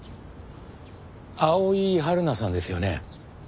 青井春菜さんですよね？